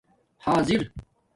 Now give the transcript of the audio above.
حآضِر